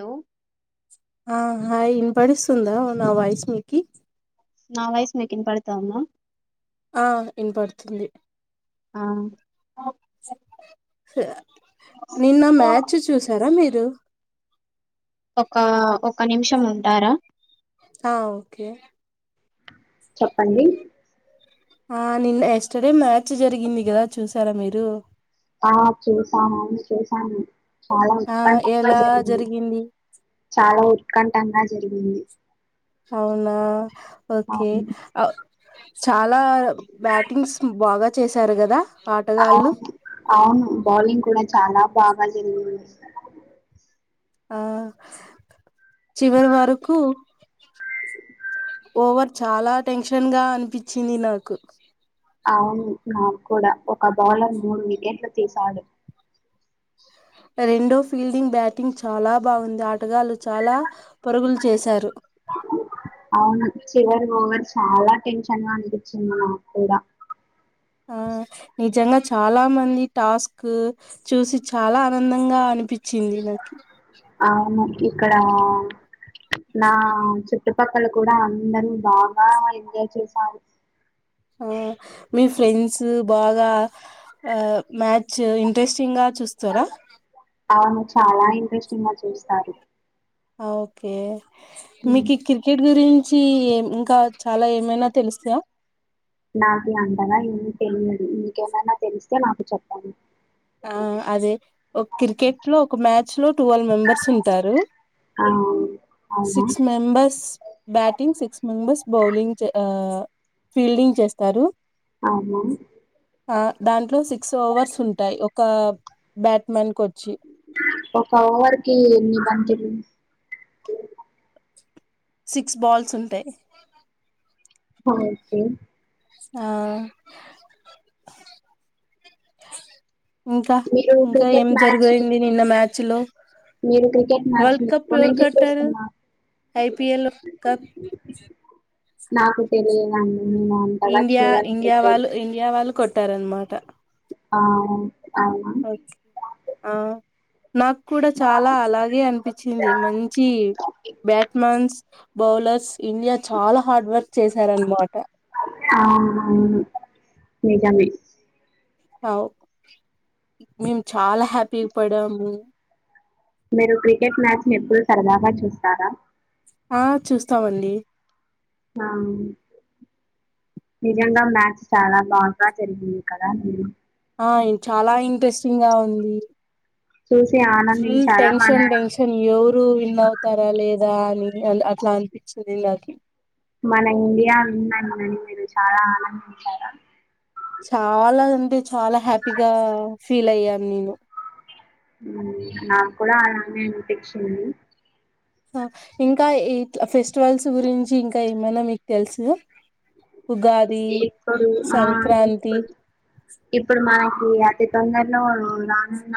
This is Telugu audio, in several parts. హలో. ఆ హాయ్ వినపడిస్తుందా నా వాయిస్ మీకి. నా వాయిస్ మీకు వినపడుతందా. ఆ వినపడుతూంది. ఆ. నిన్న మ్యాచ్ చూసారా మీరు. ఒకా ఒక నిమిషం ఉంటారా. ఆ ఓకే. చెప్పండి. ఆ నిన్న ఎస్టర్ డే మ్యాచ్ జరిగింది గదా చూసారా మీరు. ఆ చూసాము చూసాను. చాలా ఆ ఉత్కఠంగా ఎలా జరిగింది చాలా ఉత్కంఠంగా జరిగింది. అవునా ఓకే. అవును చాలా బ్యాటింగ్స్ బాగా చేశారు గదా. అవును అవును బౌలింగ్ కూడా. చాలా బాగా జరిగింది. ఆ చివరి వరకు. ఓవర్ చాలా టెన్షన్ గా అనిపించింది నాకు. అవును నాకు కూడా ఒక బౌలర్ మూడు వికెట్లు తీసాడు. రెండో ఫీల్డింగ్ బ్యాటింగ్ చాలా బాగుంది ఆ. టగాళ్లు చాలా పరుగులు చేశారు. అవును చివరి మారు చాలా టెన్షన్ గా అనిపించింది మాకు కూడా. ఆ నిజంగా చాలా మంది టాస్క్ చూసి చాలా ఆనందంగా అనిపిం. చింది నాకి. అవును ఇక్కడ నా. చుట్టుపక్కల కూడా అందరూ బాగా ఎంజాయ్ చేశారు. ఆ మీ ఫ్రెండ్స్ బాగా ఆ మ్యాచ్ ఇంట్రెస్టింగ్ గా. చూస్తారా. అవును చాలా ఇంట్రెస్టింగా చూస్తారు. ఓకే హ్మ్. మీకు ఈ కిరికెట్ గురిం చి ఇంకా చాలా ఏమైనా తెలుస్తయ నాకి అంటారా ఇంకెం ఇంకేమైనా తెలిస్తే నాకు చెప్పండి ఆ అదే ఒక కిర్కెట్ లో ఒక మ్యాచ్ లో టువెల్వ్ మెంబర్స్ ఉంటారు ఆ అవునా six members batting six members bowling చే ఆ ఫీల్డింగ్ చేస్తారు అవునా ఆ దాంట్లో సిక్స్ ఓవర్స్ ఉంటాయి ఒక బ్యాట్మన్ కొ ఒక ఓవర్ కి ఎన్ని బంతులు సిక్స్ బాల్స్ ఉంటయ్ హ ఓకే ఆ ఇంకా మీరు ఇంకా ఏం క్రికెట్ మ్యాచ్ ని జరుగైంది నిన్న మ్యాచ్ లో మీరు క్రికెట్ మ్యాచ్ ని ఎప్పనుంచి చూస్తున్నా ఐ పి ఎల్ క నాకు తెలియదం ఇండియా ఇండియా వాళ్ళు ఇండియా వాళ్ళు కొట్టారనమాట ఆ అవునా ఓచ్ ఆ నాకు కూడా చాలా అలాగే అనిపిచ్చింది మంచి బ్యాట్ మ్యాన్స్ బౌలర్స్, ఇండియా చాలా హార్డ్ వర్క్ చేశారనమాట అవునవును నిజమే అవ్ మేము చాలా హ్యాపీ పడాము మీరు క్రికెట్ మ్యాచ్ ని ఎప్పుడు సరదాగా చూస్తారా ఆ చూస్తామండి ఆ నిజంగా మ్యాచ్ చాలా బాగా జరిగింది కదా ఆ ఇ చాలా ఇంట్రెస్టింగ్గా ఉంది చూసి ఫుల్ ఆనందించారా? మన టెన్షన్ టెన్షన్ ఎవరు విన్ అవుతారా లే దా అని అట్లా అనిపిచ్చింది నాకి మన ఇండియా విన్నైందని మీరు చాలా ఆనందించారా చాలా అంటే చాలా హ్యాపీగా ఫీల్ అయ్యాను నేను నాక్కూడా అలానే అనిపిచ్చింది ఇంకా ఇట్ల ఫెస్టివల్స్ గురించి ఇంకా ఏమనా మీకు తెలుసా ఆ సంక్రాంతి ఇప్పుడు మన ఈ అతి తొందరలో రానున్న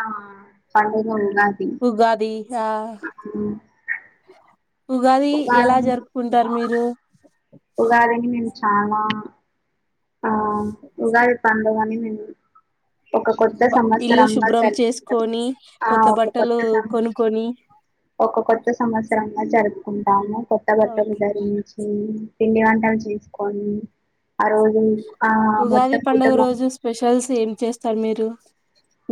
పండుగా నాది ఉగాది ఆ ఉమ్ ఉగాది ఎలా జరుపుకుంటారు మీరు ఉగాదిని మేమ్ చాలా ఆ ఉగాది పం [unintelligible] ఒక కొత్త బ ఇల్లు సంవత్సరంగా శుభ్రం జరుపుతారు చేసుకొని ఆ ఒక బట్టలు కొత్త సం కొనుక్కొని ఒక కొత్త సంవత్సరంగా జరుపుకుంటాము, కొత్త ఆ, బట్టలు ధరించి పిండి వంటలు చేసుకొని, ఆ రోజు ఆ ఉగాది మొత్తం పండుగ కుటుంబం రోజు స్పెషల్స్ ఏం చేస్తారు మీరు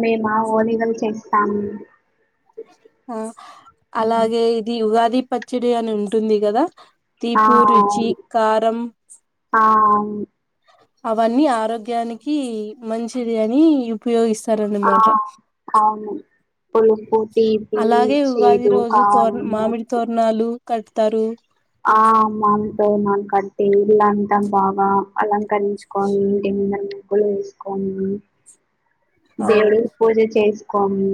మేమా ఓనిగలు చేస్తాము ఆ అలాగే ఇది ఉగాది పచ్చడి అని ఉంటుంది కదా ఆ తీపి రుచి కారంం అవు అవన్నీ ఆరోగ్యానికి మంచిది అని ఉపయోగిస్తా ఆ అవును పులపు తీపి అలాగే ఉగాది చేదు కారం కలుపుతారు ఆమ [unintelligible] కట్టి ఇల్లంతా బాగా అలంక కరించుకొని ఇంటి నిండా ముగ్గులు వేసుకొని అవు దేవుడికి పూజ చేసుకోని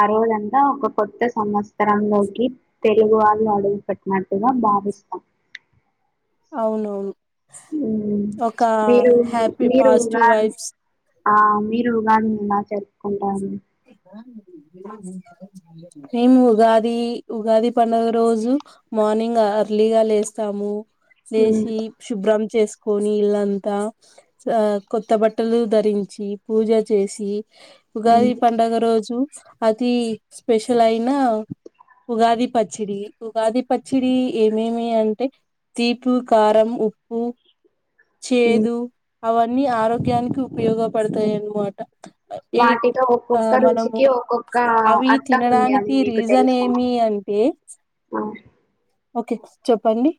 ఆ రోజంతా ఒక కొత్త సంవత్సర లోకి తెలుగు వాళ్ళు అడుగుపెట్టినట్టుగా బా బావిస్తాం అవునవును ఊ ఒక మీరు హ్యాపీ మీరు పాజిటివ్ ఉగాది వైబ్స్ ఆ మీరు ఉగాదిని ఎలా జరుపుకుంటారు మేం ఉగాది ఉగాది పండుగ రోజు మా మార్నింగ్ ఎర్లీగా లేస్తాము మ్మ్ లేచి శుభ్రం చేస్కు కొని ఇళ్లంతా కొత్త బట్టలు ధరించి పూజ చేసి మ్మ్ ఉగాది పండగ రోజు అతి స్పెషల్ అయినా ఉగాది పచ్చిడి ఉగాది పచ్చిడి ఏమేమి అంటే తీపు కారం ఉప్పు మ్మ్ చేదు అవన్నీ ఆరోగ్యానికి ఉపయోగపడతాయన్నమాట వాటితో ఒప్పు ఒక్క రుచికి ఒక్కొక్క అవి అర్థం ఉంది అని తినడానికి మీకు రీజన్ తెలుసా ఏమి అంటే ఆ ఓకే చెప్పండి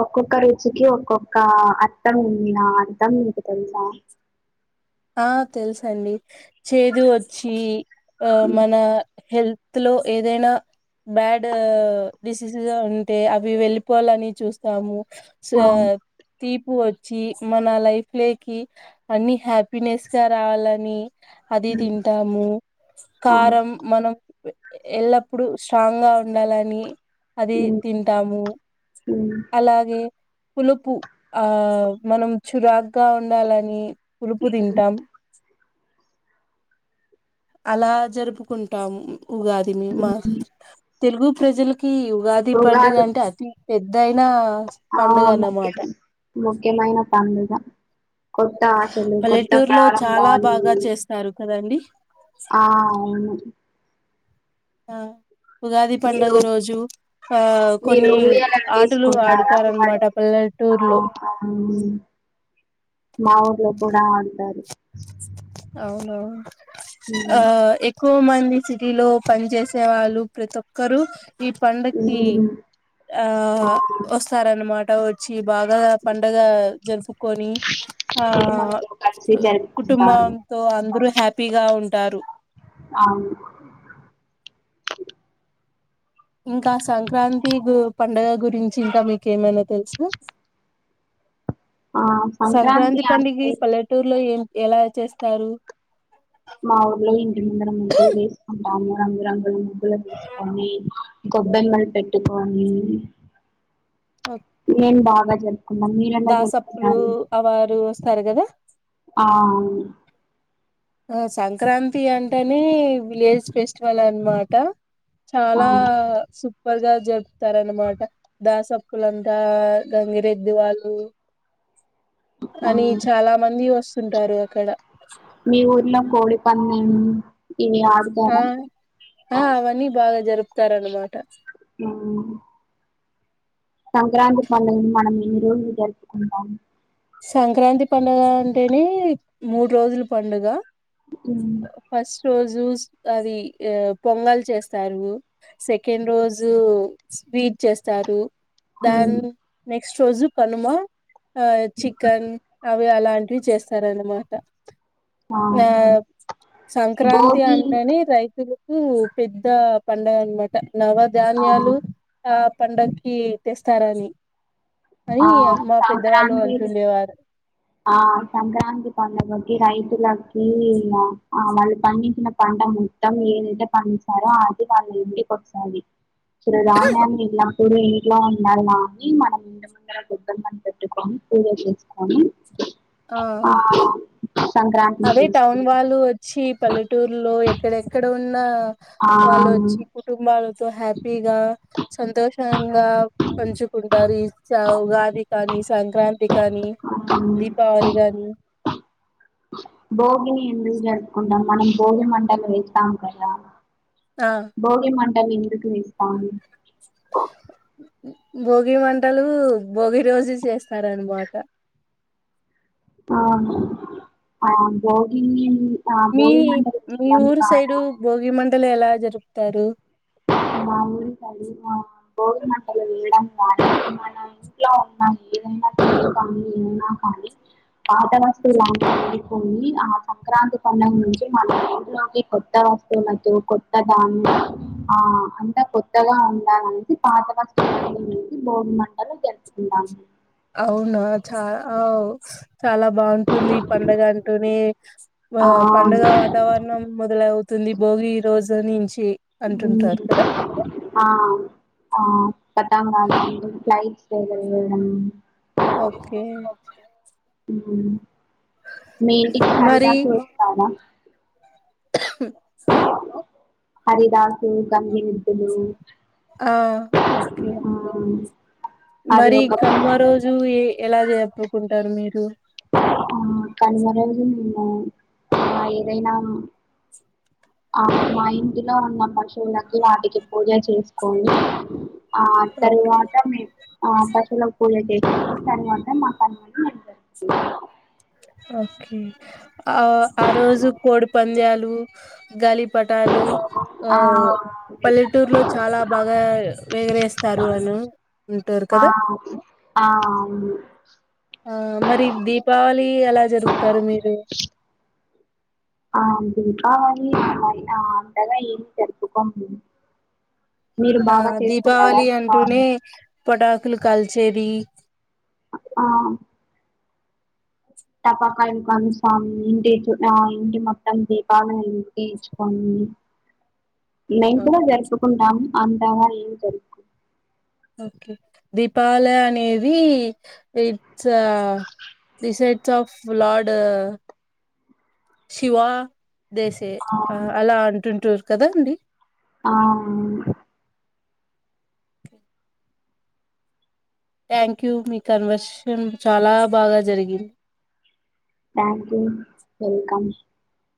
ఒక్కొక్క రుచికి ఒక్కొక్క అర్థం ఉంది ఆ అర్థం మీకు తెలుసా ఆ తెలుసండి చేదు వచ్చి ఆ మ్మ్ మన హెల్త్ లో ఏదైనా బ్యాడ్ డిసీజస్ ఉంటే అవి వెళ్ళిపోవాలని చూస్తాము ఆ సా తీపు వచ్చి మన లైఫ్ లోకి అన్ని హ్యాపీ పినేస్గా రావాలని అది మ్మ్ తింటాము ఆ కారం మనం ఎల్లప్పుడు స్ట్రాంగ్ గా ఉండాలని అది మ్మ్ తింటాము మ్మ్ అలాగే పులుపు ఆ మనం చురాగ్గా ఉండాలని పులుపు ప్పు తింటాం అలా జరుపుకుంటాము ఉగాదిని మా తెలుగు ప్రజలకి ఉగాది పండుగ అంటే అతి పెద్దయి ఆ ముఖ్యం ముఖ్యమైన పండుగ కొత్త ఆశలు కొత్త పల్లెటూరులో చాలా ప్రారంభాలు బాగా చేస్తారు కదండి ఆ అవును ఆ ఉగాది పండుగ మీరు రోజు ఆ మీరు కొన్ని ఆటలు ఆడుతారన్నమాట ఊ మా ఊర్లో కూడా ఆడుతారు అవున ఆ ఉమ్ ఎక్కువ మంది సిటీలో పని చేసే వాళ్ళు ప్రతి ఒక్కరు ఈ పండుగకి ఉమ్ ఆ వస్తారన్నమాట వచ్చి బాగా పండగ జరుపుకొని ఆ కుటుంబంతో కలిసి జరుపుకుంటారు కుబాంతో అందరూ హ్యాపీగా ఉంటారు అవును ఇంకా సంక్రాంతి గు పండగ గురించి ఇంకా మీకేమైనా తెలుస ఆ సంక్రాంతి పండగి అంటే పల్లెటూరులో ఏం ఎలా చేస్తారు మా ఊర్లో ఇంటి ముందర ముగ్గులు వేసుకుంటాము రంగు రంగులు ముగ్గులు వేసుకోని గొబ్బెమలు పెట్టుకోని నేన్ బాగా జర్ప్ దాసప్పులు అవారు వస్తారు కదా ఆ అవును ఆ సంక్రాంతి అంటేని విలేజ్ ఫెస్టివల్ అనమాట ఆ చాలా సు పల్గా జపుతారనమాట దాసప్పులంతా గంగిరెద్ది వాళ్ళు ఆ అని చాలా మంది వస్తుంటారు అక్కడ మీ ఊర్లో కోడి పందెం ఈ ఆడుతా ఆ రా ఆ అవన్నీ బాగా జరుపుతారనమాట మ్మ్ సంక్రాంతి పండగని మనం ఎన్ని రోజులు జరుపుకుంటాం సంక్రాంతి పండుగ అంటేనే మూడు రోజుల పండుగ అ ఫస్ట్ రోజు స్ అది పొంగల్ చేస్తారు సెకండ్ రోజు స్వీట్ చేస్తారు దాన్ మ్మ్ నెక్స్ట్ రోజు కనుమ చికెన్ అవి అలాంటివి చేస్తారనమాట ఆ ఆహా సంక్రాంతి భోగి అంటనే రైతులు ఉ పెద్ద పండగ అనమాట ఆ నవధాన్యాలు ఆ పండగకి తెస్తారని అని ఆ మా పెద్దవాళ్ళు సంక్రాంతి అంటుండేవారు ఆ సంక్రాంతి పండగకి రైతులకి ఆ వాళ్ళు పండించిన పం ట మొత్తం ఏదైతే పండించారో అది వాళ్ళు ఇంటికి వస్తది చిరు ధాన్యని ఎల్లపుడు ఇంట్లో ఉండాలని మనం ఇంటి ముందర గొబ్బలు మని పెట్టుకోని పూజ చేసుకొని ఆ సంక్రాంతిని అదే టౌన్ చేసుకుంటాం వాళ్ళు వచ్చి పల్లెటూరులో ఎక్కడెక్కడ ఉన్న ఆ వాళ్ళు వచ్చి కుటుంబాలు సో హ్యాపీగా సంతోషంగా పంచుకుంటారు ఈ చ ఉగాది కాని సంక్రాంతి కానీ దీపావళి కానీ భోగిని ఎందుకు జరుపుకుంటాం మనం భోగి మంటలు వేస్తాము కదా ఆ భోగి మంటలు ఎందుకు వేస్తాము భోగి మంటలు భోగి రోజు చేస్తారనమాట అవును అ భోగిని ఆ మీ భోగి మంటలు మీ వేయడం ఊరు సైడు ద్వారా భోగి మంటలు ఎలా జరుపుతారు మా ఊరి తలి మా బోగి మంటలు వేయడం గానీ మన ఇంట్లో ఉన్నాం ఏదైనా [unintelligible] ఏమున్నా కానీ పాత వస్తువు [unintelligible] ఆ సంక్రాంతి పండగ నుంచి మన ఇంట్లో ని కొత్త [unintelligible] కొత్తధాన్యా ఆ అంతా కొత్తగా ఉండాలనేసి పాత వస్తువులు వేసి భోగి మంటలు జరుపుకుంటాం అవునా చా అవ్ చాలా బాగుంటుంది ఈ పండగ అంటూనే ఆ పంండగ వాతావరణం మొదలవుతుం అంది భోగి ఈ రోజు నుంచి హ్మ్ అంటుంటారు కదా ఆ ఆ పత్ [unintelligible] ఫ్లయిట్స్ [unintelligible] ఓకే మీ ఇంటికి మరి హరిదాస్ లోస్తారా ఆ హరిదాసు గంగిరేద్దులు ఆ ఓకే ఆ అది మరి ఒక కనుమ రోజు ఏ ఎలా జరుపుకుంటారు మీరు ఆ కనుమ రోజు మేము ఆ ఏదైనా ఆ మా ఇంటిలో ఉన్న పశువులకి వాటికి పూజ చేసుకొని ఆ ఓకే తర్వాత మేము ఆ పశువులకు పూజ చేస్ తర్వాత మా కనుమను మీమ్ జరుపుకుంటాం ఓకే ఆ ఆ రోజు కోడి పంద్యాలు గలి పటాలు ఆ పల్లెటూరులో జరుపుకుంటాం చాలా బాగా వేగరేస్తారు అ ఆ ఆ అవును ఆ మరి దీపావళి ఎలా జరుపుతారు మీరు ఆ దీపావళి అనన్ ఆ అంతగా ఏం జరుపుకొం మ్ ఆ దీపావళి అంటూనే దీపావళి పట సులు కాల్చేది ఆ టపాకాయలు కలుస్తాం ఇంటి ఆ ఇంటి మొత్తం దీపాలను వెలిగించుకొని మేము కూడా ఓకే జరుపుకుంటాము అంతగా ఏం జరుపు ఓకే దీపావలి అనేది it's besides of lured Shiva దేసే ఆ అలా అంటుంటారు కదా అండి ఆ అవును థ్యాంక్ యూ మీ కన్వర్సన్ చాలా బాగా జరిగింది థ్యాంక్ యూ వెల్కమ్